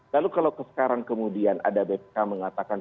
lalu kalau sekarang kemudian ada bpk mengatakan